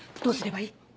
どうすればいい？